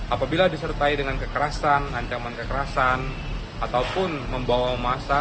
apabila disertai dengan kekerasan ancaman kekerasan ataupun membawa masa